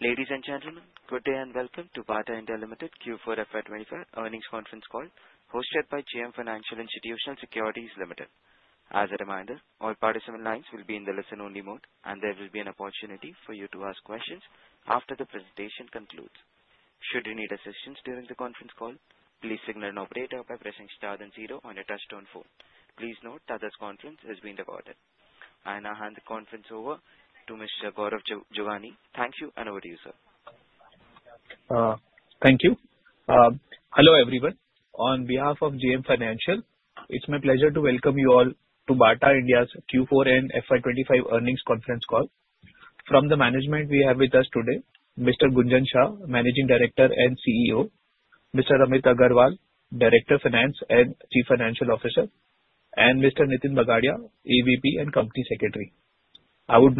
Ladies and gentlemen, good day and welcome to Bata India Limited Q4 FY 2025 Earnings Conference Call hosted by JM Financial Institutional Securities Limited. As a reminder, all participant lines will be in the listen-only mode, and there will be an opportunity for you to ask questions after the presentation concludes. Should you need assistance during the conference call, please signal an operator by pressing star then zero on your touchstone phone. Please note that this conference is being recorded. I now hand the conference over to Mr. Gaurav Jogani. Thank you, and over to you, sir. Thank you. Hello everyone. On behalf of JM Financial, it's my pleasure to welcome you all to Bata India's Q4 and FY 2025 earnings conference call. From the management, we have with us today Mr. Gunjan Shah, Managing Director and CEO, Mr. Amit Aggarwal, Director of Finance and Chief Financial Officer, and Mr. Nitin Bagaria, AVP and Company Secretary. I would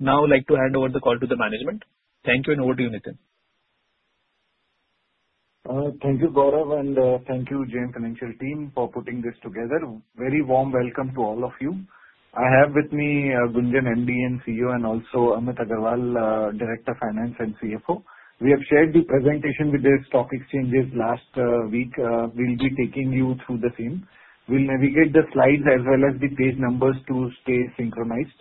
now like to hand over the call to the management. Thank you, and over to you, Nitin. Thank you, Gaurav, and thank you, JM Financial team, for putting this together. Very warm welcome to all of you. I have with me Gunjan, MD and CEO, and also Amit Aggarwal, Director of Finance and CFO. We have shared the presentation with the stock exchanges last week. We'll be taking you through the same. We'll navigate the slides as well as the page numbers to stay synchronized.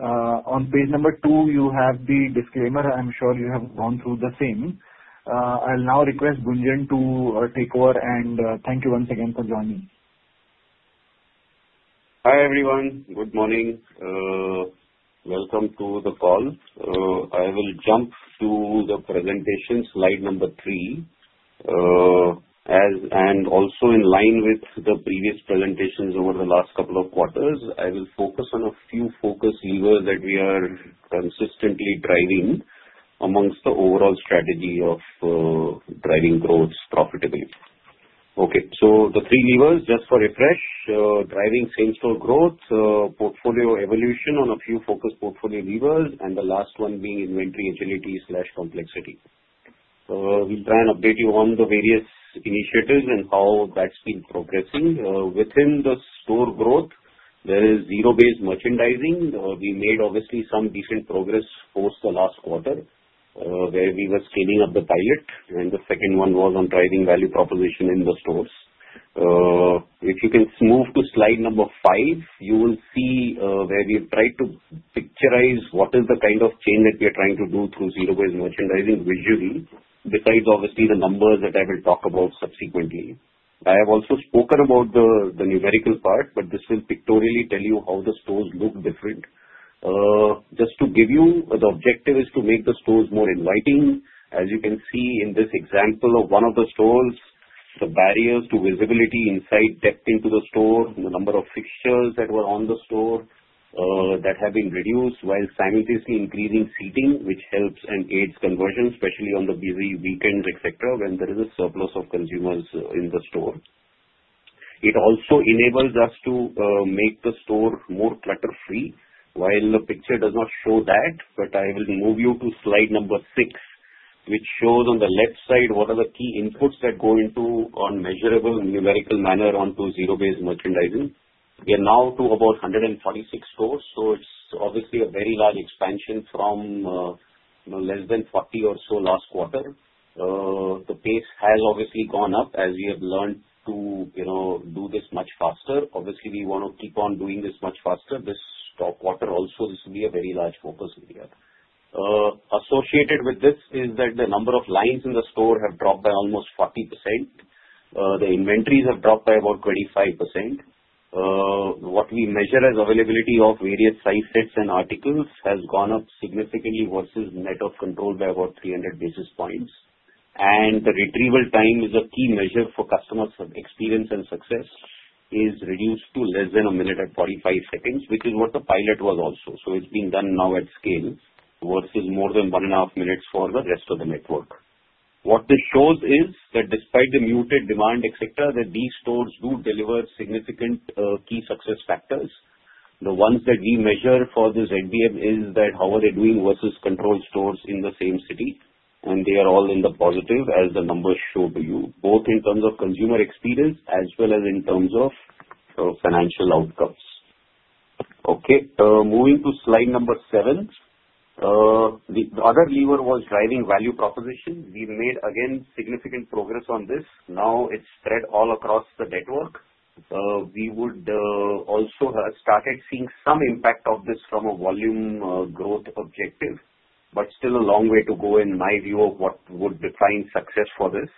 On page number two, you have the disclaimer. I'm sure you have gone through the same. I'll now request Gunjan to take over, and thank you once again for joining. Hi everyone. Good morning. Welcome to the call. I will jump to the presentation, slide number three. Also, in line with the previous presentations over the last couple of quarters, I will focus on a few focus levers that we are consistently driving amongst the overall strategy of driving growth profitably. Okay, so the three levers, just for refresh, driving same-store growth, portfolio evolution on a few focus portfolio levers, and the last one being inventory agility/complexity. We'll try and update you on the various initiatives and how that's been progressing. Within the store growth, there is zero-based merchandising. We made, obviously, some decent progress post the last quarter where we were scaling up the pilot, and the second one was on driving value proposition in the stores. If you can move to slide number five, you will see where we have tried to picturize what is the kind of change that we are trying to do through zero-based merchandising visually, besides, obviously, the numbers that I will talk about subsequently. I have also spoken about the numerical part, but this will pictorially tell you how the stores look different. Just to give you, the objective is to make the stores more inviting. As you can see in this example of one of the stores, the barriers to visibility inside, depth into the store, the number of fixtures that were on the store that have been reduced while simultaneously increasing seating, which helps and aids conversion, especially on the busy weekends, etc., when there is a surplus of consumers in the store. It also enables us to make the store more clutter-free, while the picture does not show that, but I will move you to slide number six, which shows on the left side what are the key inputs that go into, in a measurable numerical manner, onto zero-based merchandising. We are now to about 146 stores, so it's obviously a very large expansion from less than 40 or so last quarter. The pace has obviously gone up as we have learned to do this much faster. Obviously, we want to keep on doing this much faster. This stock quarter also, this will be a very large focus area. Associated with this is that the number of lines in the store have dropped by almost 40%. The inventories have dropped by about 25%. What we measure as availability of various size sets and articles has gone up significantly versus net of control by about 300 basis points. The retrieval time is a key measure for customer experience and success is reduced to less than a minute at 45 seconds, which is what the pilot was also. It is being done now at scale versus more than one and a half minutes for the rest of the network. What this shows is that despite the muted demand, etc., these stores do deliver significant key success factors. The ones that we measure for this MDM is that how are they doing versus control stores in the same city, and they are all in the positive as the numbers show to you, both in terms of consumer experience as well as in terms of financial outcomes. Okay, moving to slide number seven, the other lever was driving value proposition. We made, again, significant progress on this. Now it's spread all across the network. We would also have started seeing some impact of this from a volume growth objective, but still a long way to go in my view of what would define success for this.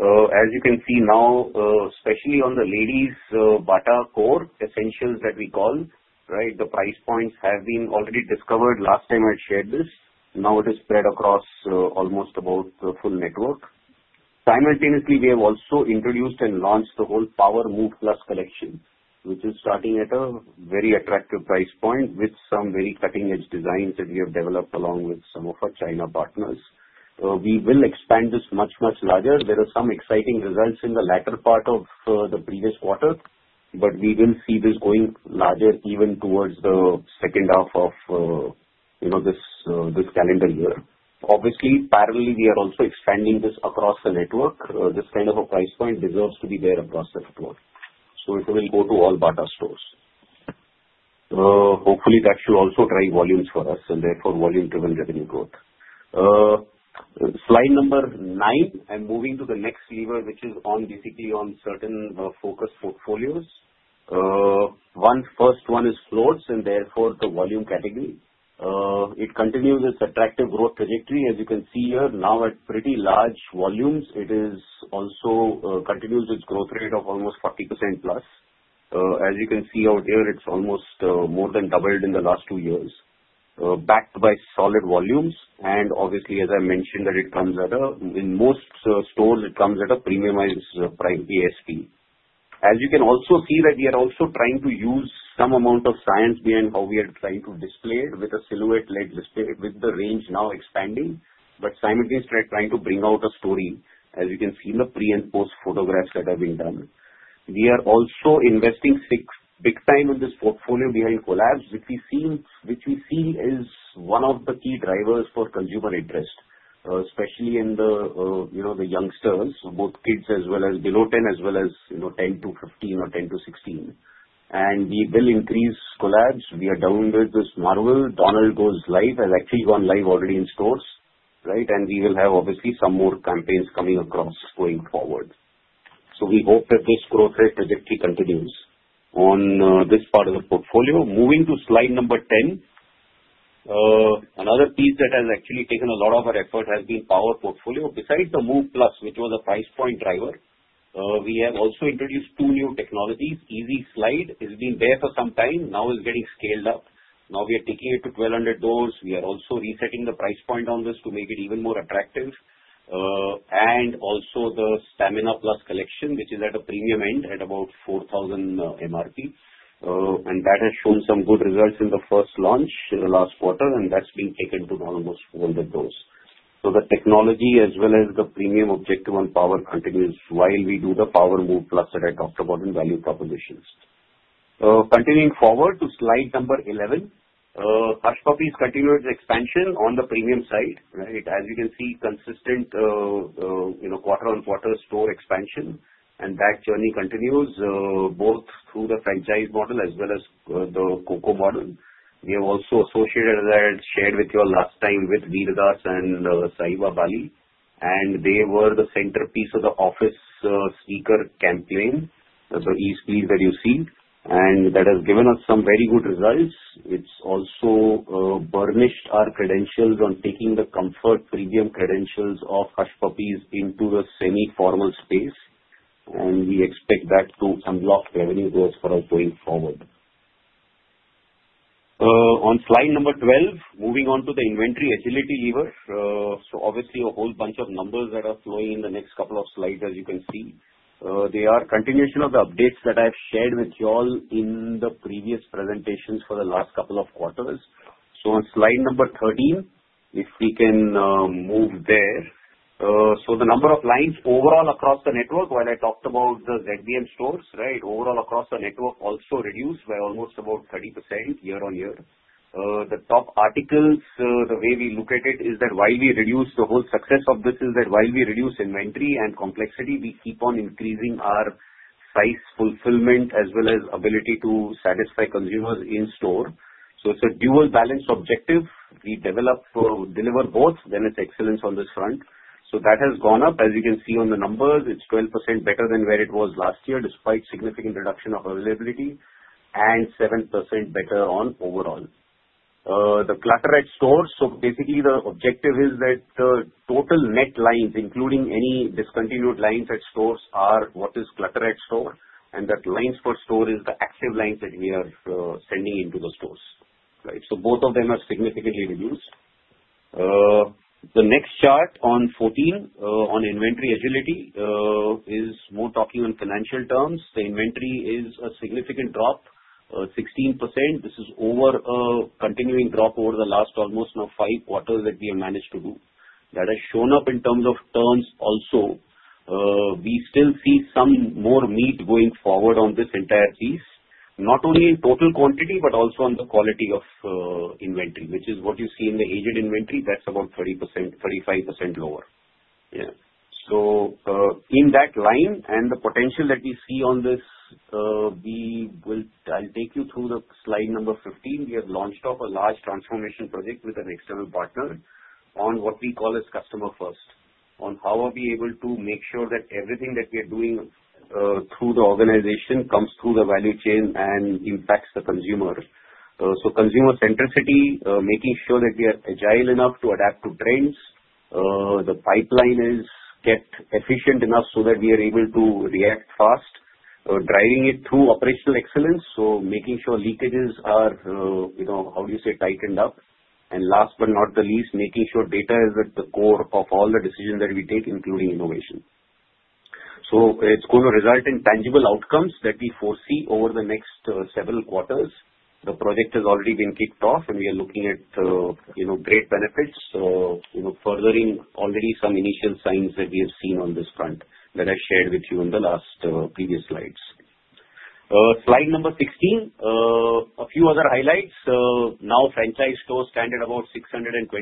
As you can see now, especially on the ladies Bata core essentials that we call, right, the price points have been already discovered. Last time I shared this, now it is spread across almost about the full network. Simultaneously, we have also introduced and launched the whole Power Move Plus collection, which is starting at a very attractive price point with some very cutting-edge designs that we have developed along with some of our China partners. We will expand this much, much larger. There are some exciting results in the latter part of the previous quarter, but we will see this going larger even towards the second half of this calendar year. Obviously, parallelly, we are also expanding this across the network. This kind of a price point deserves to be there across the network. It will go to all Bata stores. Hopefully, that should also drive volumes for us and therefore volume-driven revenue growth. Slide number nine, I'm moving to the next lever, which is basically on certain focus portfolios. One first one is floats, and therefore the volume category. It continues its attractive growth trajectory, as you can see here. Now at pretty large volumes, it also continues its growth rate of almost 40%+. As you can see out here, it's almost more than doubled in the last two years, backed by solid volumes. Obviously, as I mentioned, it comes at a, in most stores, it comes at a premiumized ASP. As you can also see, we are also trying to use some amount of science behind how we are trying to display it with a silhouette-led display with the range now expanding, but simultaneously trying to bring out a story, as you can see in the pre and post photographs that have been done. We are also investing big time in this portfolio behind collabs, which we see is one of the key drivers for consumer interest, especially in the youngsters, both kids as well as below 10, as well as 10-15 or 10-16. We will increase collabs. We are down with this Marvel, Donald Goes Live. It has actually gone live already in stores, right? We will have obviously some more campaigns coming across going forward. We hope that this growth rate trajectory continues on this part of the portfolio. Moving to slide number 10, another piece that has actually taken a lot of our effort has been power portfolio. Besides the Move Plus, which was a price point driver, we have also introduced two new technologies. Easy Slide has been there for some time. Now it is getting scaled up. Now we are taking it to 1,200 doors. We are also resetting the price point on this to make it even more attractive. Also, the Stamina Plus collection, which is at a premium end at about 4,000 MRP, has shown some good results in the first launch last quarter, and that has been taken to almost all the doors. The technology as well as the premium objective on Power continues while we do the Power Move+ that I talked about in value propositions. Continuing forward to slide number 11, Hush Puppies continued its expansion on the premium side, right? As you can see, consistent quarter-on-quarter store expansion, and that journey continues both through the franchise model as well as the COCO model. We have also associated that, shared with you last time with Vir Das and Sahiba Bali, and they were the centerpiece of the office speaker campaign, the Ease Please that you see, and that has given us some very good results. It's also burnished our credentials on taking the comfort premium credentials of Hush Puppies into the semi-formal space, and we expect that to unlock revenue growth for us going forward. On slide number 12, moving on to the inventory agility lever. Obviously, a whole bunch of numbers that are flowing in the next couple of slides, as you can see. They are continuation of the updates that I've shared with you all in the previous presentations for the last couple of quarters. On slide number 13, if we can move there. The number of lines overall across the network, while I talked about the ZBM stores, right, overall across the network also reduced by almost about 30% year-on-year. The top articles, the way we look at it is that while we reduce, the whole success of this is that while we reduce inventory and complexity, we keep on increasing our size fulfillment as well as ability to satisfy consumers in store. It's a dual balance objective. We develop, deliver both, then it's excellence on this front. That has gone up, as you can see on the numbers. It's 12% better than where it was last year, despite significant reduction of availability, and 7% better on overall. The clutter at stores. Basically, the objective is that total net lines, including any discontinued lines at stores, are what is clutter at store, and that lines per store is the active lines that we are sending into the stores, right? Both of them have significantly reduced. The next chart on 14 on inventory agility is more talking on financial terms. The inventory is a significant drop, 16%. This is over a continuing drop over the last almost now five quarters that we have managed to do. That has shown up in terms of terms also. We still see some more meat going forward on this entire piece, not only in total quantity but also on the quality of inventory, which is what you see in the aged inventory. That is about 30%-35% lower. Yeah. In that line and the potential that we see on this, I'll take you through the slide number 15. We have launched off a large transformation project with an external partner on what we call as customer first, on how are we able to make sure that everything that we are doing through the organization comes through the value chain and impacts the consumer. Consumer centricity, making sure that we are agile enough to adapt to trends. The pipeline is kept efficient enough so that we are able to react fast, driving it through operational excellence, making sure leakages are, how do you say, tightened up. Last but not the least, making sure data is at the core of all the decisions that we take, including innovation. It is going to result in tangible outcomes that we foresee over the next several quarters. The project has already been kicked off, and we are looking at great benefits, furthering already some initial signs that we have seen on this front that I shared with you in the last previous slides. Slide number 16, a few other highlights. Now franchise stores stand at about 625.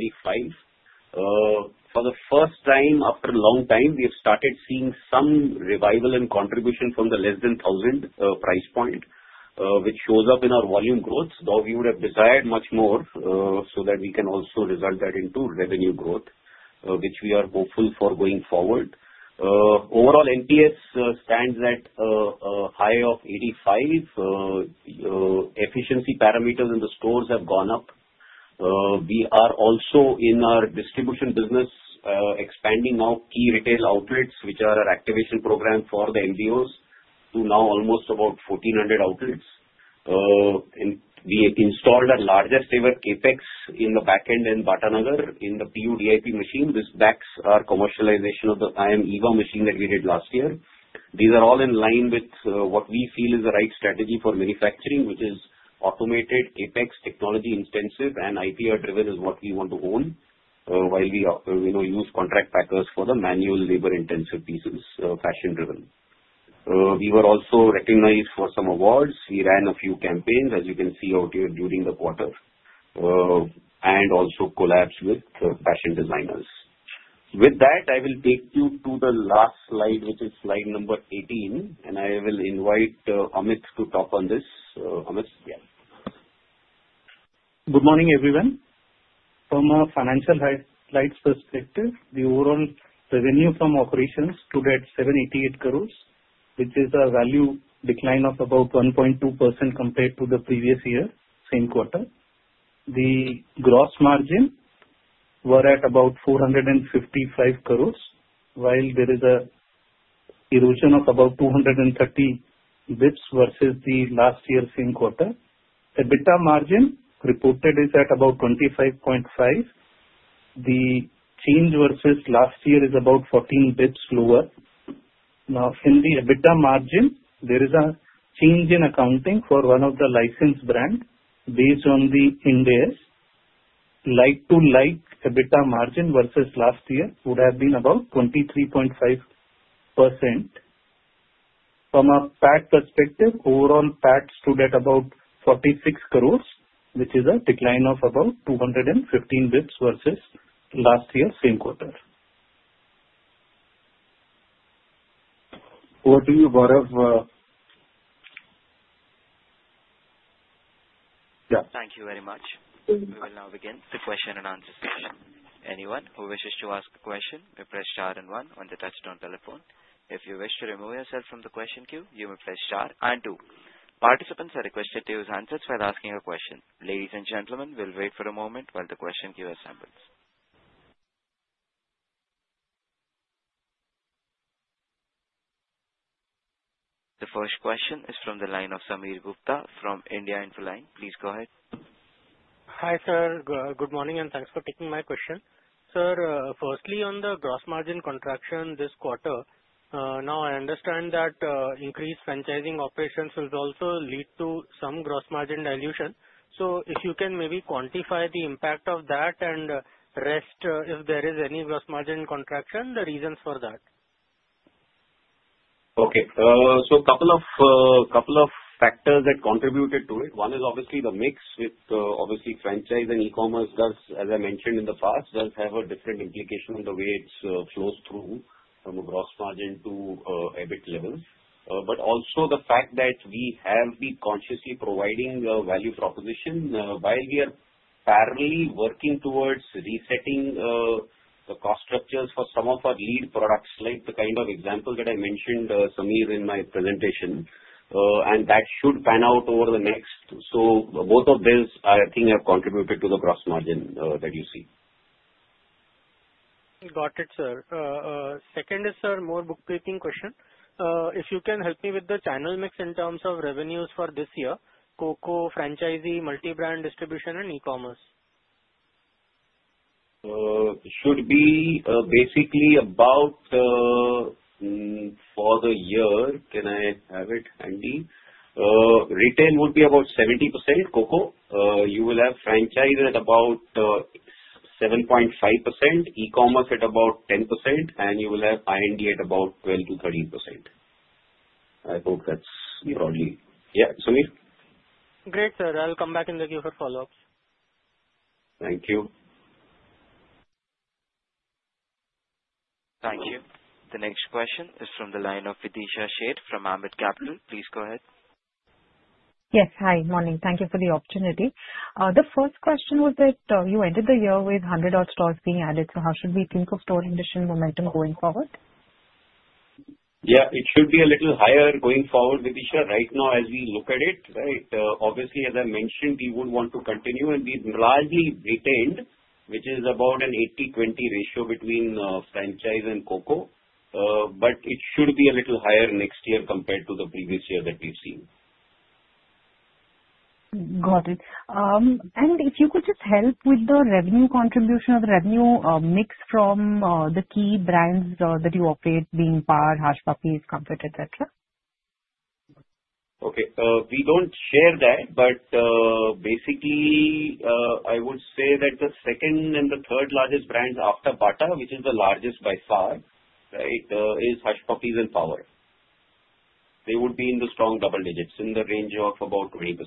For the first time after a long time, we have started seeing some revival and contribution from the less than 1,000 price point, which shows up in our volume growth. Though we would have desired much more so that we can also result that into revenue growth, which we are hopeful for going forward. Overall, NPS stands at a high of 85. Efficiency parameters in the stores have gone up. We are also in our distribution business expanding now key retail outlets, which are our activation program for the MDOs to now almost about 1,400 outlets. We have installed a larger saver Apex in the backend in Batanagar in the PU DIP machine. This backs our commercialization of the IM EVA machine that we did last year. These are all in line with what we feel is the right strategy for manufacturing, which is automated Apex technology intensive and IPR-driven is what we want to own while we use contract packers for the manual labor-intensive pieces, fashion-driven. We were also recognized for some awards. We ran a few campaigns, as you can see out here during the quarter, and also collabs with fashion designers. With that, I will take you to the last slide, which is slide number 18, and I will invite Amit to talk on this. Amit, yeah. Good morning, everyone. From a financial slides perspective, the overall revenue from operations stood at 788 crore, which is a value decline of about 1.2% compared to the previous year, same quarter. The gross margin was at about 455 crore, while there is an erosion of about 230 basis points versus the last year's same quarter. EBITDA margin reported is at about 25.5%. The change versus last year is about 14 basis points lower. Now, in the EBITDA margin, there is a change in accounting for one of the licensed brands based on the index. Like-to-like EBITDA margin versus last year would have been about 23.5%. From a PAT perspective, overall PAT stood at about 46 crore, which is a decline of about 215 basis points versus last year's same quarter. What do you have? Yeah. Thank you very much. We will now begin the question and answer session. Anyone who wishes to ask a question may press star and one on the touchdown telephone. If you wish to remove yourself from the question queue, you may press star and two. Participants are requested to use handsets while asking a question. Ladies and gentlemen, we'll wait for a moment while the question queue assembles. The first question is from the line of Sameer Gupta from India Infoline. Please go ahead. Hi sir. Good morning and thanks for taking my question. Sir, firstly, on the gross margin contraction this quarter, now I understand that increased franchising operations will also lead to some gross margin dilution. If you can maybe quantify the impact of that and rest if there is any gross margin contraction, the reasons for that. Okay. A couple of factors contributed to it. One is obviously the mix with obviously franchise and e-commerce does, as I mentioned in the past, have a different implication on the way it flows through from a gross margin to EBIT level. Also, the fact that we have been consciously providing value proposition while we are parallelly working towards resetting the cost structures for some of our lead products, like the kind of example that I mentioned, Sameer, in my presentation, and that should pan out over the next. Both of these, I think, have contributed to the gross margin that you see. Got it, sir. Second is, sir, more bookkeeping question. If you can help me with the channel mix in terms of revenues for this year, Coco, franchisee, multi-brand distribution, and e-commerce. Should be basically about for the year, can I have it handy? Retail would be about 70% COCO. You will have franchise at about 7.5%, e-commerce at about 10%, and you will have IND at about 12%-13%. I hope that's probably yeah, Sameer? Great, sir. I'll come back in the queue for follow-ups. Thank you. Thank you. The next question is from the line of Videesha Sheth from Ambit Capital. Please go ahead. Yes, hi. Morning. Thank you for the opportunity. The first question was that you ended the year with 100-odd stores being added. So how should we think of store addition momentum going forward? Yeah, it should be a little higher going forward, Videesha. Right now, as we look at it, right, obviously, as I mentioned, we would want to continue, and we've largely retained, which is about an 80-20 ratio between franchise and COCO. It should be a little higher next year compared to the previous year that we've seen. Got it. If you could just help with the revenue contribution of the revenue mix from the key brands that you operate, being Bata and Hush Puppies, Comfort, etc.? Okay. We don't share that, but basically, I would say that the second and the third largest brands after Bata, which is the largest by far, right, is Hush Puppies and Power. They would be in the strong double digits in the range of about 20%.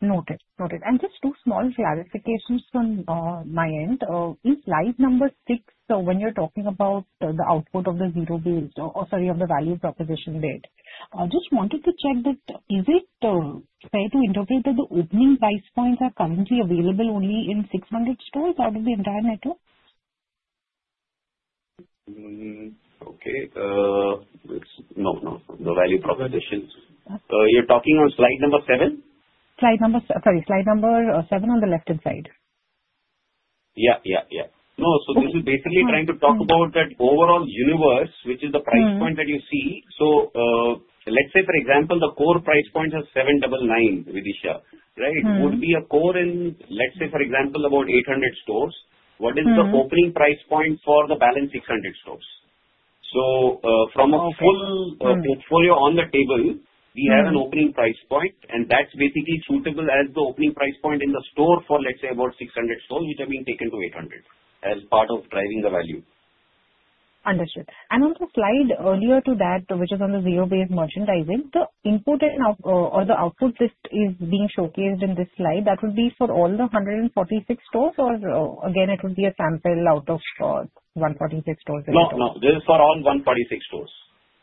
Noted. Noted. Just two small clarifications from my end. In slide number six, when you're talking about the output of the zero-based or sorry, of the value proposition date, I just wanted to check that is it fair to interpret that the opening price points are currently available only in 600 stores out of the entire network? Okay. No, no, no. The value proposition. You're talking on slide number seven? Slide number seven. Sorry. Slide number seven on the left-hand side. Yeah, yeah, yeah. No, so this is basically trying to talk about that overall universe, which is the price point that you see. So let's say, for example, the core price point is 799, Videesha, right, would be a core in, let's say, for example, about 800 stores. What is the opening price point for the balance 600 stores? From a full portfolio on the table, we have an opening price point, and that's basically suitable as the opening price point in the store for, let's say, about 600 stores, which are being taken to 800 as part of driving the value. Understood. On the slide earlier to that, which is on the zero-based merchandising, the input or the output list is being showcased in this slide. That would be for all the 146 stores or, again, it would be a sample out of 146 stores? No, no. This is for all 146 stores.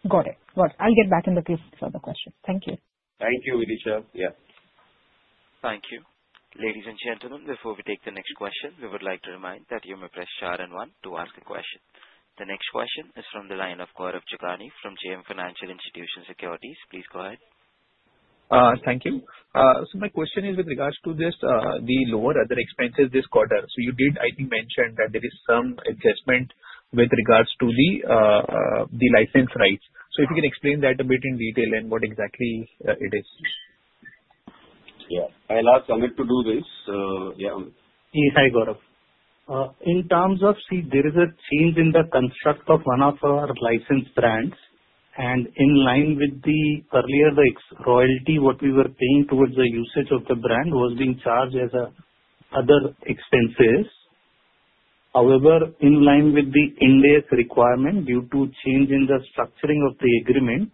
Got it. Got it. I'll get back in the queue for the question. Thank you. Thank you, Videesha. Yeah. Thank you. Ladies and gentlemen, before we take the next question, we would like to remind that you may press star and one to ask a question. The next question is from the line of Gaurav Jogani from JM Financial Institutional Securities. Please go ahead. Thank you. My question is with regards to just the lower other expenses this quarter. You did, I think, mention that there is some adjustment with regards to the license rights. If you can explain that a bit in detail and what exactly it is. Yeah. I'll ask Amit to do this. Yeah. Hi, Gaurav. In terms of, see, there is a change in the construct of one of our license brands, and in line with the earlier, the royalty what we were paying towards the usage of the brand was being charged as other expenses. However, in line with the index requirement due to change in the structuring of the agreement,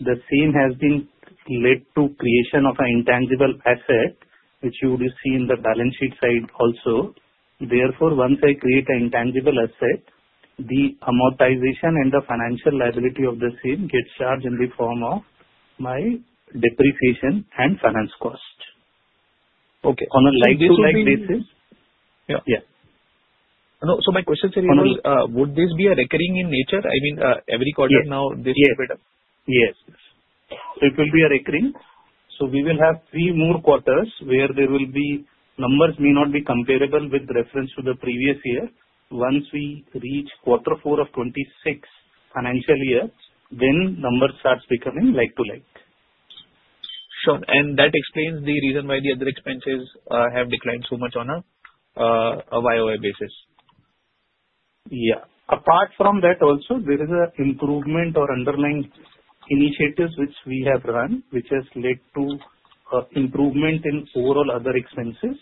the same has been led to creation of an intangible asset, which you would see in the balance sheet side also. Therefore, once I create an intangible asset, the amortization and the financial liability of the same gets charged in the form of my depreciation and finance cost. Okay. On a like-to-like basis. Yeah. Yeah. No, so my question, sir, would this be a recurring in nature? I mean, every quarter now this will be a? Yes. Yes. It will be a recurring. So we will have three more quarters where there will be numbers may not be comparable with reference to the previous year. Once we reach quarter four of 2026 financial year, then numbers start becoming like-to-like. Sure. That explains the reason why the other expenses have declined so much on a YoY basis. Yeah. Apart from that, also, there is an improvement or underlying initiatives which we have run, which has led to improvement in overall other expenses.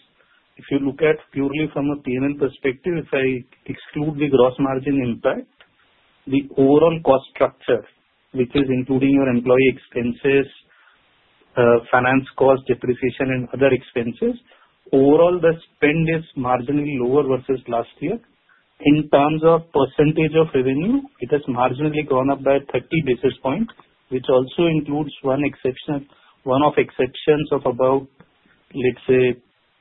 If you look at purely from a P&L perspective, if I exclude the gross margin impact, the overall cost structure, which is including your employee expenses, finance cost, depreciation, and other expenses, overall the spend is marginally lower versus last year. In terms of percentage of revenue, it has marginally grown up by 30 basis points, which also includes one of exceptions of about, let's say,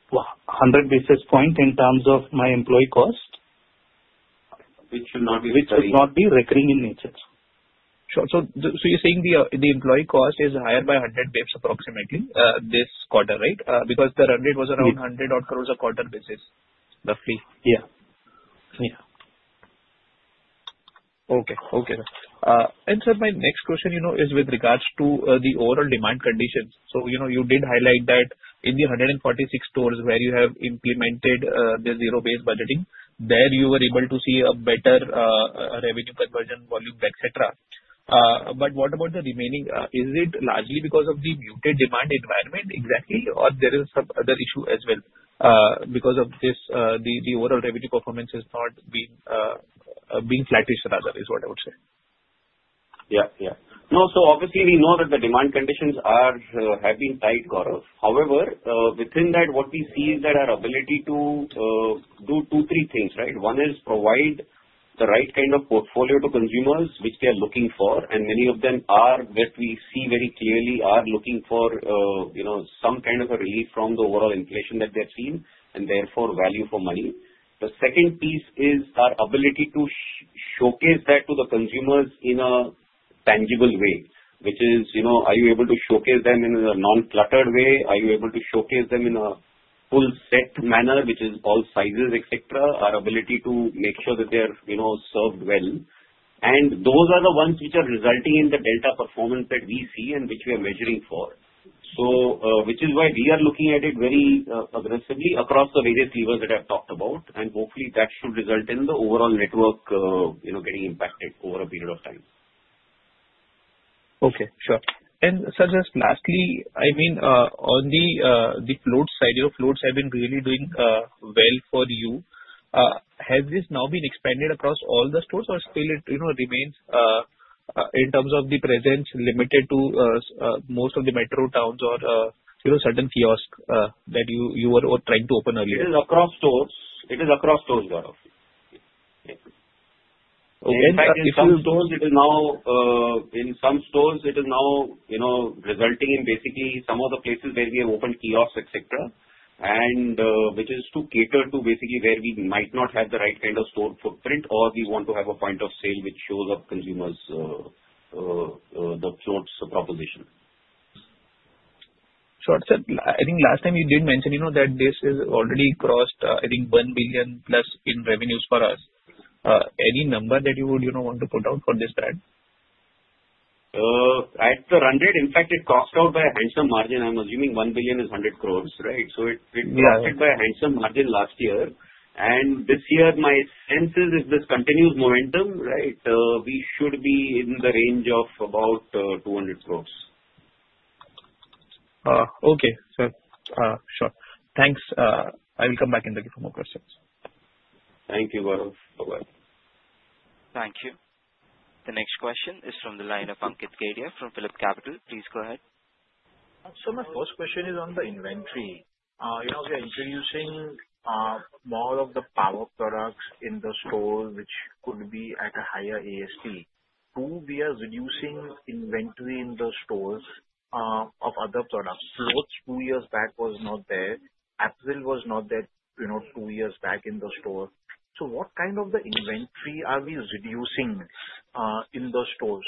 100 basis points in terms of my employee cost, which should not be recurring in nature. Sure. You are saying the employee cost is higher by 100 basis points approximately this quarter, right? Because the run rate was around 100-odd crores a quarter basis, roughly. Yeah. Yeah. Okay. Okay. And sir, my next question is with regards to the overall demand conditions. So you did highlight that in the 146 stores where you have implemented the zero-based budgeting, there you were able to see a better revenue conversion volume, etc. But what about the remaining? Is it largely because of the muted demand environment exactly, or there is some other issue as well because of this the overall revenue performance has not been being flattish rather is what I would say. Yeah. Yeah. No, so obviously, we know that the demand conditions have been tight, Gaurav. However, within that, what we see is that our ability to do two, three things, right? One is provide the right kind of portfolio to consumers, which they are looking for, and many of them are, what we see very clearly, are looking for some kind of a relief from the overall inflation that they have seen, and therefore, value for money. The second piece is our ability to showcase that to the consumers in a tangible way, which is, are you able to showcase them in a non-cluttered way? Are you able to showcase them in a full-set manner, which is all sizes, etc., our ability to make sure that they are served well. Those are the ones which are resulting in the delta performance that we see and which we are measuring for, which is why we are looking at it very aggressively across the various levers that I have talked about, and hopefully, that should result in the overall network getting impacted over a period of time. Okay. Sure. Sir, just lastly, I mean, on the float side, your floats have been really doing well for you. Has this now been expanded across all the stores, or still it remains in terms of the presence limited to most of the metro towns or certain kiosks that you were trying to open earlier? It is across stores. It is across stores, Gaurav. In some stores, it is now resulting in basically some of the places where we have opened kiosks, which is to cater to basically where we might not have the right kind of store footprint, or we want to have a point of sale which shows up consumers' floats proposition. Sure. Sir, I think last time you did mention that this has already crossed, I think, 1 billion plus in revenues for us. Any number that you would want to put out for this brand? At the run rate, in fact, it crossed out by a handsome margin. I'm assuming 1 billion is 100 crores, right? So it crossed it by a handsome margin last year. And this year, my sense is if this continues momentum, we should be in the range of about 200 crores. Okay. Sir, sure. Thanks. I will come back in the queue for more questions. Thank you, Gaurav. Bye-bye. Thank you. The next question is from the line of Ankit Kedia from Phillip Capital. Please go ahead. Sir, my first question is on the inventory. We are introducing more of the power products in the stores, which could be at a higher ASP. Two, we are reducing inventory in the stores of other products. Floats two years back was not there. Apple was not there two years back in the store. So what kind of the inventory are we reducing in the stores?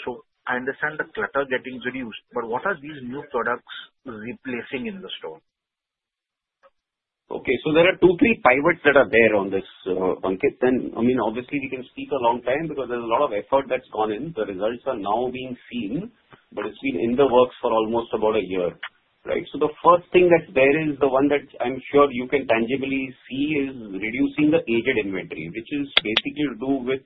I understand the clutter getting reduced, but what are these new products replacing in the store? Okay. There are two, three pivots that are there on this, Ankit. I mean, obviously, we can speak a long time because there's a lot of effort that's gone in. The results are now being seen, but it's been in the works for almost about a year, right? The first thing that's there is the one that I'm sure you can tangibly see is reducing the aged inventory, which is basically to do with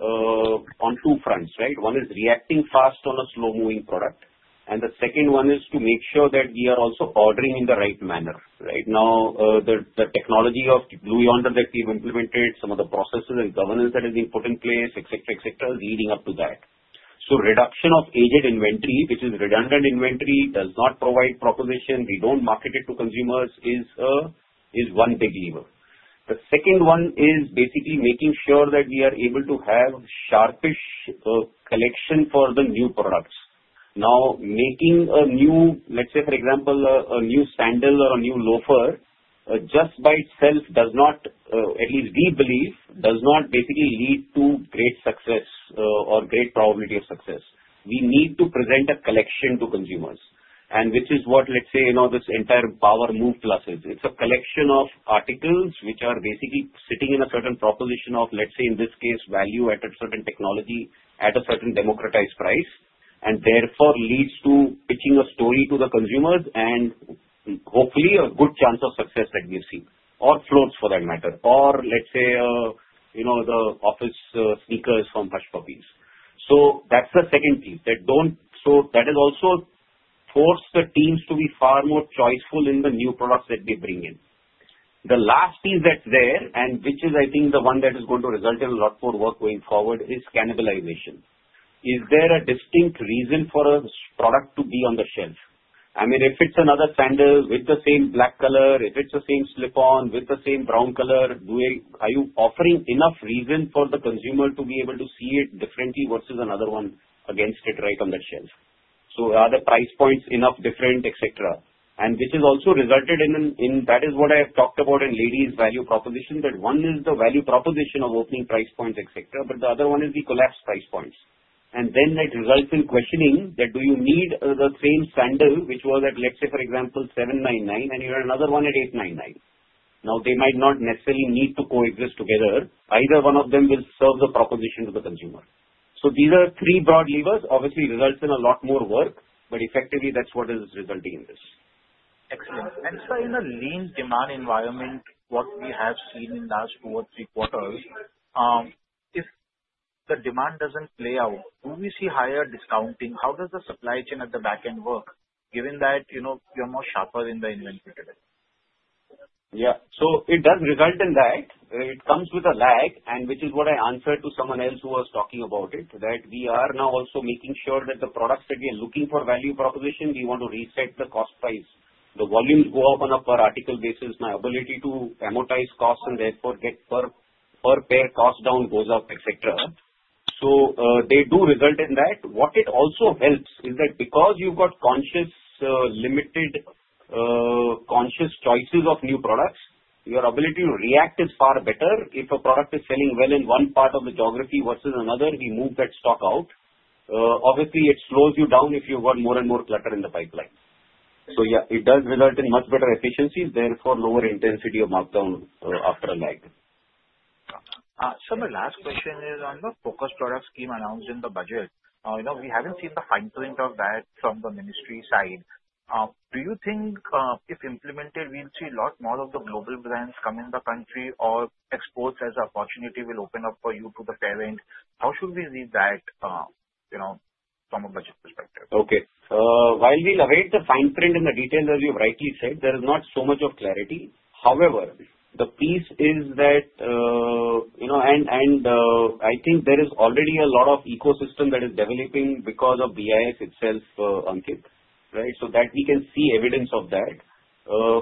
on two fronts, right? One is reacting fast on a slow-moving product, and the second one is to make sure that we are also ordering in the right manner, right? Now, the technology of Blue Yonder that we've implemented, some of the processes and governance that have been put in place, etc., etc., leading up to that. Reduction of aged inventory, which is redundant inventory, does not provide proposition. We don't market it to consumers is one big lever. The second one is basically making sure that we are able to have sharpish collection for the new products. Now, making a new, let's say, for example, a new sandal or a new loafer, just by itself, at least we believe, does not basically lead to great success or great probability of success. We need to present a collection to consumers, which is what, let's say, this entire Power Move Plus is. It's a collection of articles which are basically sitting in a certain proposition of, let's say, in this case, value at a certain technology at a certain democratized price, and therefore leads to pitching a story to the consumers and hopefully a good chance of success that we have seen, or Floats for that matter, or let's say the office sneakers from Hush Puppies. That is the second piece. That has also forced the teams to be far more choiceful in the new products that they bring in. The last piece that's there, and which is, I think, the one that is going to result in a lot more work going forward, is cannibalization. Is there a distinct reason for a product to be on the shelf? I mean, if it's another sandal with the same black color, if it's the same slip-on with the same brown color, are you offering enough reason for the consumer to be able to see it differently versus another one against it right on the shelf? Are the price points enough different, etc.? Which has also resulted in that is what I have talked about in ladies' value proposition, that one is the value proposition of opening price points, etc., but the other one is the collapse price points. That results in questioning that do you need the same sandal, which was at, let's say, for example, 799, and you have another one at 899. They might not necessarily need to coexist together. Either one of them will serve the proposition to the consumer. These are three broad levers. Obviously, it results in a lot more work, but effectively, that's what is resulting in this. Excellent. Sir, in a lean demand environment, what we have seen in the last two or three quarters, if the demand doesn't play out, do we see higher discounting? How does the supply chain at the back end work, given that you're more sharper in the inventory today? Yeah. It does result in that. It comes with a lag, and which is what I answered to someone else who was talking about it, that we are now also making sure that the products that we are looking for value proposition, we want to reset the cost price. The volumes go up on a per article basis. My ability to amortize costs and therefore get per pair cost down goes up, etc. They do result in that. What it also helps is that because you have got limited conscious choices of new products, your ability to react is far better. If a product is selling well in one part of the geography versus another, we move that stock out. Obviously, it slows you down if you have got more and more clutter in the pipeline. It does result in much better efficiencies, therefore lower intensity of markdown after a lag. Sir, my last question is on the focus product scheme announced in the budget. We have not seen the fine print of that from the ministry side. Do you think if implemented, we will see a lot more of the global brands come in the country or exports as an opportunity will open up for you to the fair end? How should we read that from a budget perspective? Okay. While we narrate the fine print in the details, as you have rightly said, there is not so much clarity. However, the piece is that, and I think there is already a lot of ecosystem that is developing because of BIS itself, Ankit, right, so that we can see evidence of that.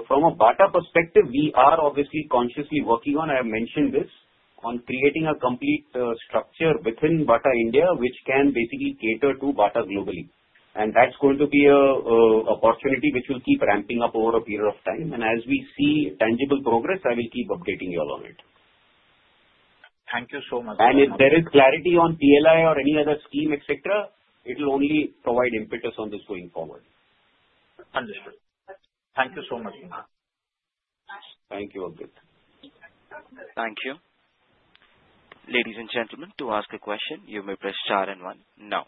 From a Bata perspective, we are obviously consciously working on, I have mentioned this, on creating a complete structure within Bata India, which can basically cater to Bata globally. That's going to be an opportunity which will keep ramping up over a period of time. As we see tangible progress, I will keep updating you all on it. Thank you so much. If there is clarity on PLI or any other scheme, etc., it will only provide impetus on this going forward. Understood. Thank you so much. Thank you, Ankit. Thank you. Ladies and gentlemen, to ask a question, you may press star and one. Now,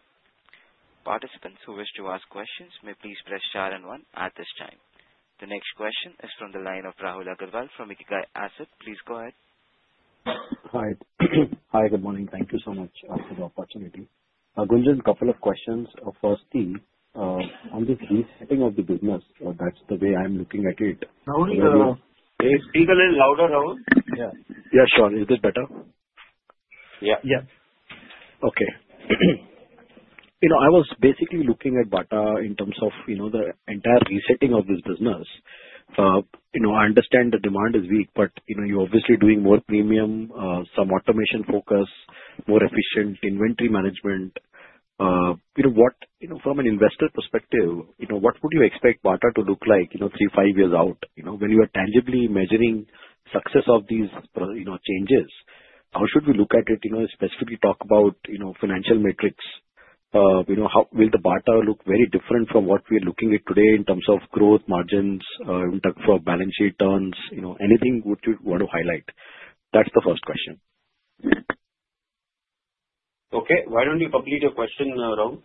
participants who wish to ask questions may please press star and one at this time. The next question is from the line of Rahul Agarwal from Ikigai Asset. Please go ahead. Hi. Hi, good morning. Thank you so much for the opportunity. Gunjan, a couple of questions. Firstly, on the resetting of the business, that's the way I'm looking at it. Rahul, can you speak a little louder, Rahul? Yeah. Yeah, sure. Is this better? Yeah. Yeah. Okay. I was basically looking at Bata in terms of the entire resetting of this business. I understand the demand is weak, but you're obviously doing more premium, some automation focus, more efficient inventory management. From an investor perspective, what would you expect Bata to look like three, five years out? When you are tangibly measuring success of these changes, how should we look at it? Specifically, talk about financial metrics. Will the Bata look very different from what we are looking at today in terms of growth margins, in terms of balance sheet terms? Anything you want to highlight? That's the first question. Okay. Why don't you complete your question, Rahul?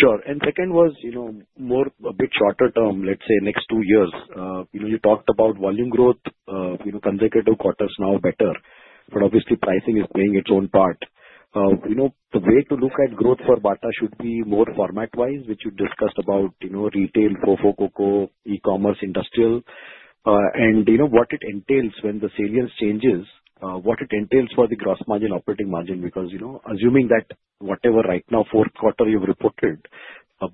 Sure. And second was a bit shorter term, let's say, next two years. You talked about volume growth, consecutive quarters now better, but obviously, pricing is playing its own part. The way to look at growth for Bata should be more format-wise, which you discussed about retail, FOFO, COCO, e-commerce, industrial, and what it entails when the salience changes, what it entails for the gross margin, operating margin, because assuming that whatever right now, fourth quarter you've reported,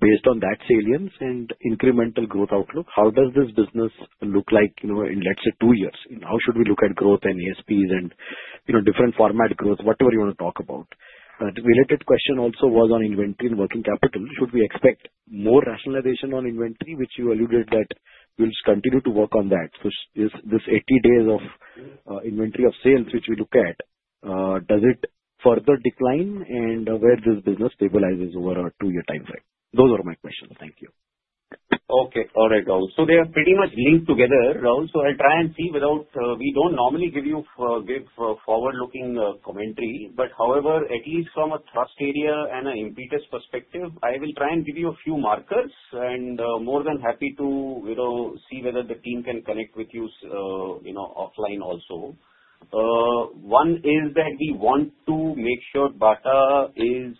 based on that salience and incremental growth outlook, how does this business look like in, let's say, two years? How should we look at growth and ASPs and different format growth, whatever you want to talk about? The related question also was on inventory and working capital. Should we expect more rationalization on inventory, which you alluded that we'll continue to work on that? So this 80 days of inventory of sales, which we look at, does it further decline and where does business stabilize over a two-year timeframe? Those are my questions. Thank you. Okay. All right, Rahul. They are pretty much linked together, Rahul. I'll try and see, we don't normally give forward-looking commentary, but however, at least from a trust area and an impetus perspective, I will try and give you a few markers and more than happy to see whether the team can connect with you offline also. One is that we want to make sure Bata is,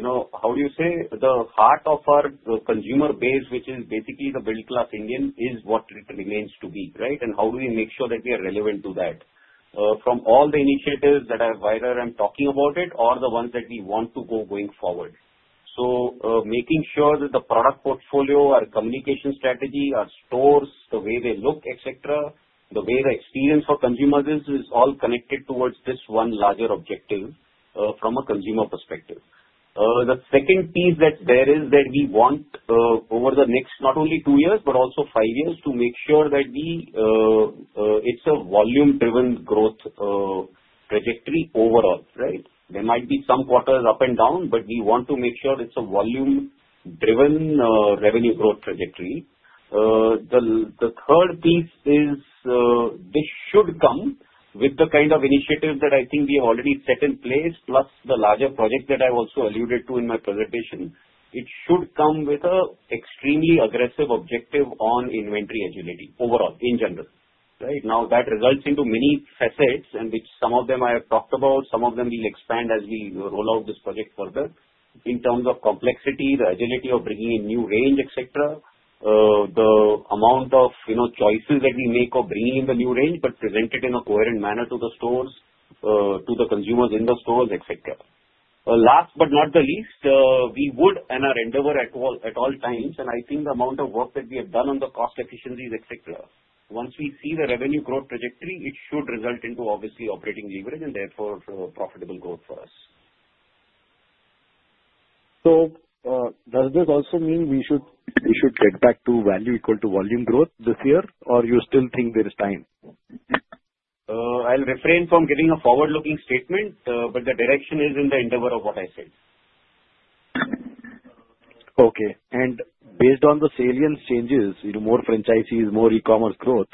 how do you say, the heart of our consumer base, which is basically the middle-class Indian, is what it remains to be, right? How do we make sure that we are relevant to that? From all the initiatives that I've wired, I'm talking about it, or the ones that we want to go going forward. Making sure that the product portfolio, our communication strategy, our stores, the way they look, the way the experience for consumers is all connected towards this one larger objective from a consumer perspective. The second piece that's there is that we want over the next not only two years, but also five years to make sure that it's a volume-driven growth trajectory overall, right? There might be some quarters up and down, but we want to make sure it's a volume-driven revenue growth trajectory. The third piece is this should come with the kind of initiative that I think we have already set in place, plus the larger project that I also alluded to in my presentation. It should come with an extremely aggressive objective on inventory agility overall, in general, right? That results into many facets, and some of them I have talked about. Some of them we'll expand as we roll out this project further in terms of complexity, the agility of bringing in new range, etc., the amount of choices that we make of bringing in the new range, but present it in a coherent manner to the stores, to the consumers in the stores, etc. Last but not the least, we would, and I'll end over at all times, and I think the amount of work that we have done on the cost efficiencies, etc., once we see the revenue growth trajectory, it should result into, obviously, operating leverage and therefore profitable growth for us. Does this also mean we should get back to value equal to volume growth this year, or you still think there is time? I'll refrain from giving a forward-looking statement, but the direction is in the endeavor of what I said. Okay. Based on the salience changes, more franchisees, more e-commerce growth,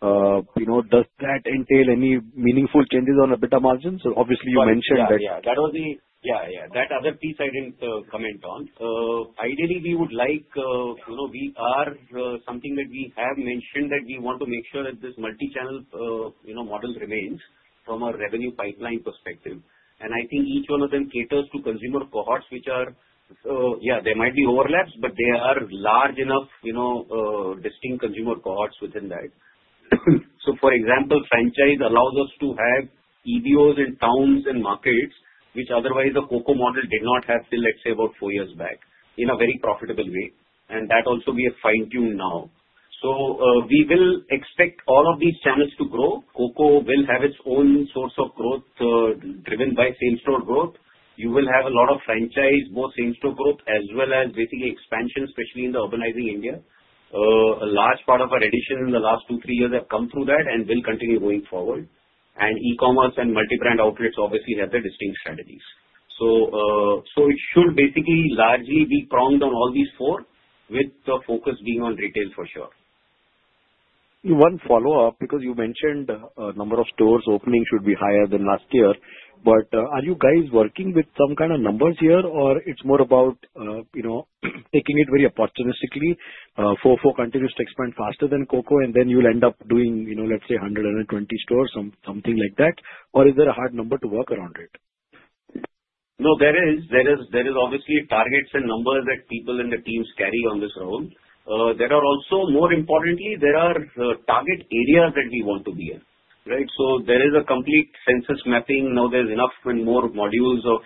does that entail any meaningful changes on a beta margin? Obviously, you mentioned that. That was the, yeah, that other piece I did not comment on. Ideally, we would like, we are something that we have mentioned, that we want to make sure that this multi-channel model remains from a revenue pipeline perspective. I think each one of them caters to consumer cohorts, which are, yeah, there might be overlaps, but they are large enough, distinct consumer cohorts within that. For example, franchise allows us to have EBOs in towns and markets, which otherwise the COCO model did not have till, let us say, about four years back, in a very profitable way. That also we have fine-tuned now. We will expect all of these channels to grow. COCO will have its own source of growth driven by same-store growth. You will have a lot of franchise, both same-store growth as well as basically expansion, especially in the urbanizing India. A large part of our addition in the last two, three years have come through that and will continue going forward. E-commerce and multi-brand outlets obviously have their distinct strategies. It should basically largely be pronged on all these four, with the focus being on retail for sure. One follow-up, because you mentioned a number of stores opening should be higher than last year, but are you guys working with some kind of numbers here, or it's more about taking it very opportunistically? FOFO continues to expand faster than COCO, and then you'll end up doing, let's say, 100-120 stores, something like that? Or is there a hard number to work around it? No, there is. There is obviously targets and numbers that people in the teams carry on this road. There are also, more importantly, there are target areas that we want to be in, right? So there is a complete census mapping. Now, there's enough and more modules of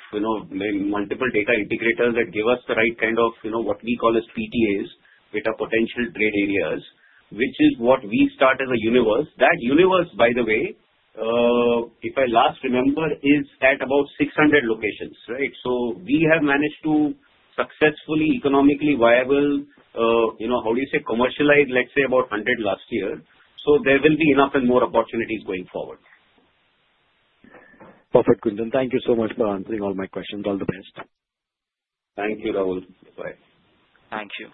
multiple data integrators that give us the right kind of what we call as PTAs, which are potential trade areas, which is what we start as a universe. That universe, by the way, if I last remember, is at about 600 locations, right? So we have managed to successfully economically viable, how do you say, commercialize, let's say, about 100 last year. So there will be enough and more opportunities going forward. Perfect, Gunjan. Thank you so much for answering all my questions. All the best. Thank you, Rahul. Bye. Thank you.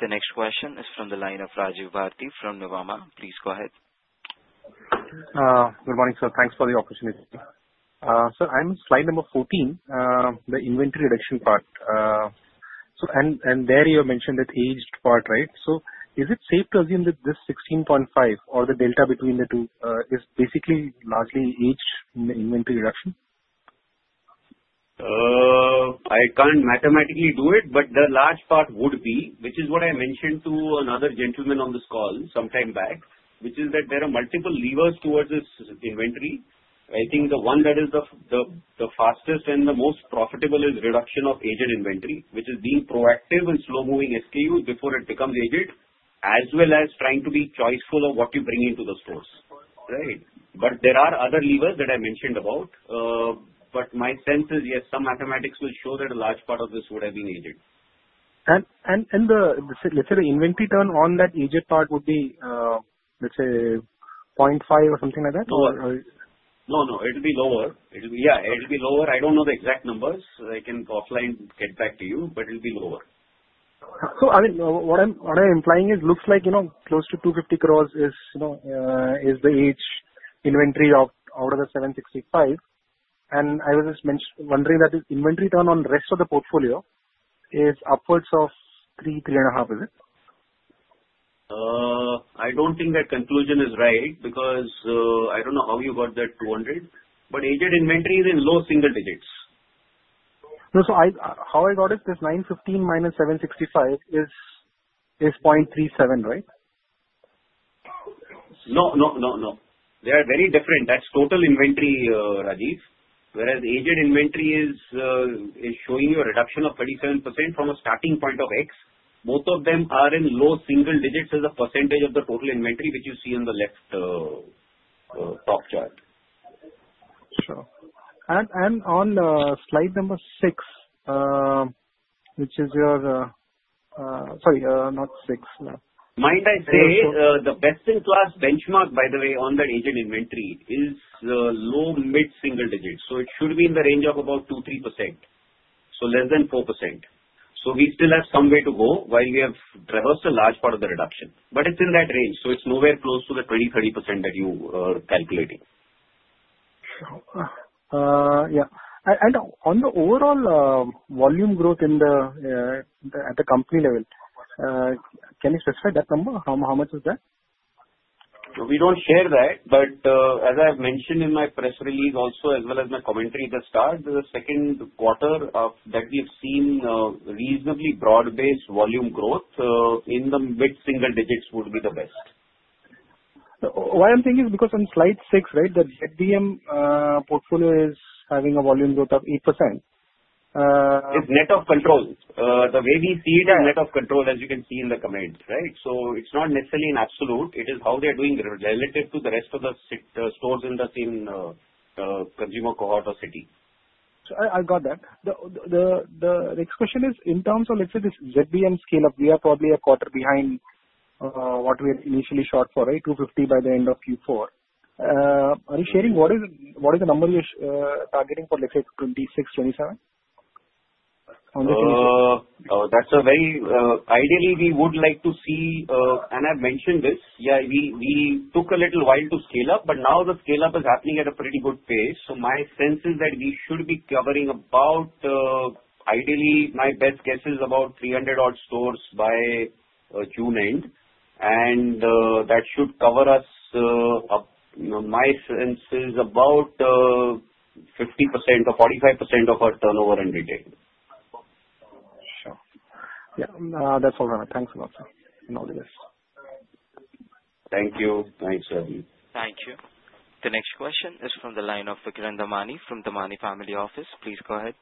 The next question is from the line of Rajiv Bharati from Nuvama. Please go ahead. Good morning, sir. Thanks for the opportunity. Sir, on slide number 14, the inventory reduction part. And there you have mentioned that aged part, right? Is it safe to assume that this 16.5 or the delta between the two is basically largely aged in the inventory reduction? I cannot mathematically do it, but the large part would be, which is what I mentioned to another gentleman on this call sometime back, which is that there are multiple levers towards this inventory. I think the one that is the fastest and the most profitable is reduction of aged inventory, which is being proactive and slow-moving SKUs before it becomes aged, as well as trying to be choiceful of what you bring into the stores, right? There are other levers that I mentioned about, but my sense is, yes, some mathematics will show that a large part of this would have been aged. Let's say the inventory turn on that aged part would be, let's say, 0.5 or something like that? No, no. It'll be lower. Yeah, it'll be lower. I don't know the exact numbers. I can offline get back to you, but it'll be lower. I mean, what I'm implying is it looks like close to 250 crore is the aged inventory out of the 765 crore. I was just wondering that the inventory turn on the rest of the portfolio is upwards of 3, 3.5, is it? I don't think that conclusion is right because I don't know how you got that 200, but aged inventory is in low single digits. No, so how I got it is 915 minus 765 is 0.37, right? No, no, no, no. They are very different. That is total inventory, Rajiv, whereas aged inventory is showing you a reduction of 37% from a starting point of X. Both of them are in low single digits as a percentage of the total inventory, which you see on the left top chart. Sure. And on slide number six, which is your sorry, not six. I mean, the best-in-class benchmark, by the way, on that aged inventory is low mid-single digits. It should be in the range of about 2%-3%, so less than 4%. We still have some way to go while we have reversed a large part of the reduction, but it is in that range. It is nowhere close to the 20%-30% that you are calculating. Yeah. On the overall volume growth at the company level, can you specify that number? How much is that? We do not share that, but as I have mentioned in my press release also, as well as my commentary at the start, the second quarter that we have seen reasonably broad-based volume growth in the mid-single digits would be the best. Why I am saying is because on slide six, right, the ZBM portfolio is having a volume growth of 8%. It is net of control. The way we see it is net of control, as you can see in the comments, right? It is not necessarily an absolute. It is how they are doing relative to the rest of the stores in the same consumer cohort or city. I got that. The next question is in terms of, let's say, this ZBM scale-up, we are probably a quarter behind what we had initially shot for, right? 250 by the end of Q4. Are you sharing what is the number you're targeting for, let's say, 2026, 2027? On the 2026. That's a very ideally, we would like to see, and I've mentioned this, yeah, we took a little while to scale up, but now the scale-up is happening at a pretty good pace. So my sense is that we should be covering about, ideally, my best guess is about 300-odd stores by June end, and that should cover us, my sense, is about 50% or 45% of our turnover and retail. Sure. Yeah. That's all right. Thanks a lot, sir, for all this. Thank you. Thanks, Rajiv. Thank you. The next question is from the line of Vikram Damani from the Damani Family Office. Please go ahead.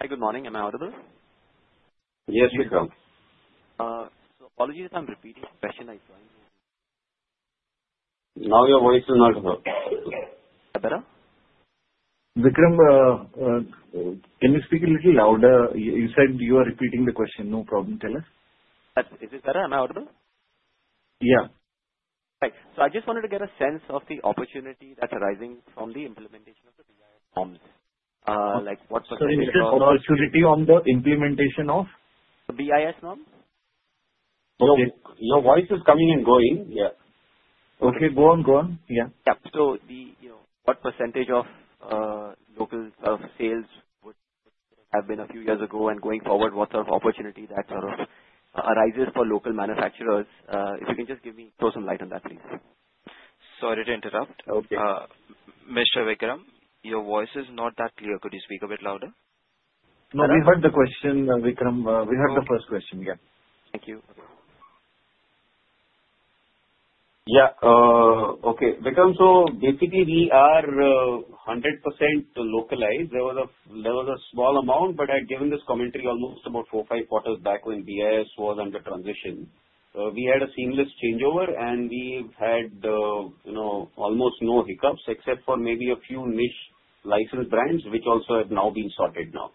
Hi, good morning. Am I audible? Yes, Vikram. Apologies if I'm repeating the question, I joined now. Your voice is not clear. Is that better? Vikram, can you speak a little louder? You said you are repeating the question. No problem. Tell us. Is it better? Am I audible? Yeah. Right. I just wanted to get a sense of the opportunity that's arising from the implementation of the BIS norms. What percentage of opportunity on the implementation of the BIS norms? Okay. Your voice is coming and going. Yeah. Okay. Go on. Go on. Yeah. Yeah. What percentage of local sales would have been a few years ago, and going forward, what sort of opportunity that arises for local manufacturers? If you can just give me some light on that, please. Sorry to interrupt. Mr. Vikram, your voice is not that clear. Could you speak a bit louder? No, we heard the question, Vikram. We heard the first question. Yeah. Thank you. Yeah. Okay. Vikram, so basically, we are 100% localized. There was a small amount, but I had given this commentary almost about four, five quarters back when BIS was under transition. We had a seamless changeover, and we have had almost no hiccups except for maybe a few niche license brands, which also have now been sorted now.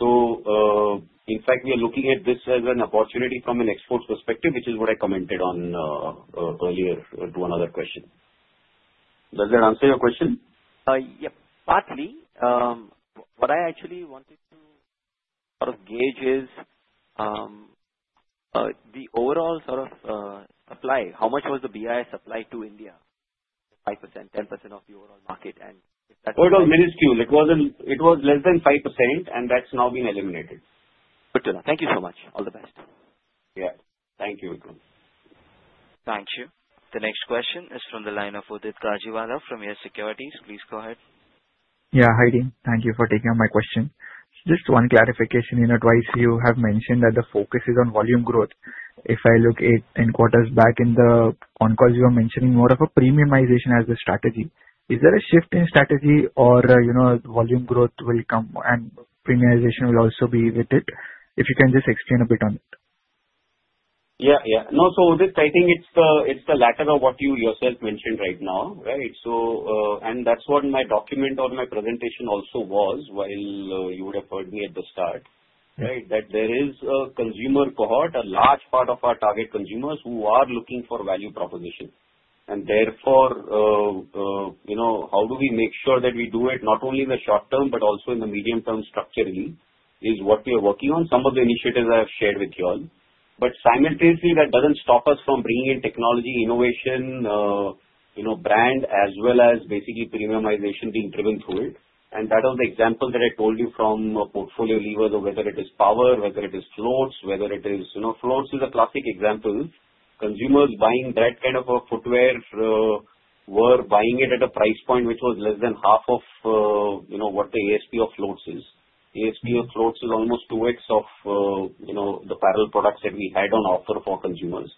In fact, we are looking at this as an opportunity from an export perspective, which is what I commented on earlier to another question. Does that answer your question? Yep. Partly, what I actually wanted to sort of gauge is the overall sort of supply. How much was the BIS supply to India? 5%, 10% of the overall market, and if that's— Overall, minuscule. It was less than 5%, and that's now been eliminated. Good to know. Thank you so much. All the best. Yeah. Thank you, Vikram. Thank you. The next question is from the line of Udit Gajiwala from YES SECURITIES. Please go ahead. Yeah. Hi, then. Thank you for taking up my question. Just one clarification in advice. You have mentioned that the focus is on volume growth. If I look eight quarters back in the conquest, you were mentioning more of a premiumization as the strategy. Is there a shift in strategy or volume growth will come and premiumization will also be with it? If you can just explain a bit on it. Yeah. Yeah. No, so Udit, I think it's the latter of what you yourself mentioned right now, right? That is what my document or my presentation also was while you would have heard me at the start, right, that there is a consumer cohort, a large part of our target consumers who are looking for value proposition. Therefore, how do we make sure that we do it not only in the short term but also in the medium term structurally is what we are working on, some of the initiatives I have shared with you all. Simultaneously, that does not stop us from bringing in technology, innovation, brand, as well as basically premiumization being driven through it. That was the example that I told you from a portfolio lever, whether it is Power, whether it is Floats, whether it is Floats is a classic example. Consumers buying that kind of a footwear were buying it at a price point which was less than half of what the ASP of floats is. ASP of floats is almost 2x of the parallel products that we had on offer for consumers.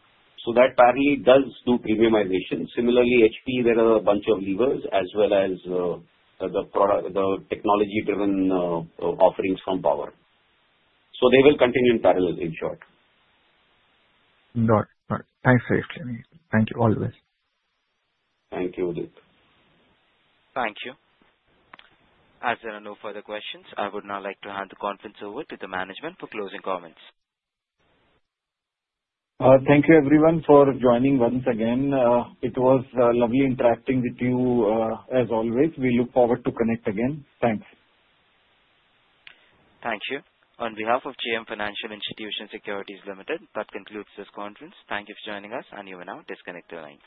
So that parallel does do premiumization. Similarly, HP, there are a bunch of levers as well as the technology-driven offerings from Power. They will continue in parallel in short. Thanks for explaining. Thank you. All the best. Thank you, Udit. Thank you. As there are no further questions, I would now like to hand the conference over to the management for closing comments. Thank you, everyone, for joining once again. It was lovely interacting with you as always. We look forward to connect again. Thanks. Thank you. On behalf of JM Financial Institutional Securities Limited, that concludes this conference. Thank you for joining us, and you may now disconnect the lines.